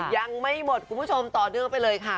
ยังไม่หมดคุณผู้ชมต่อเนื่องไปเลยค่ะ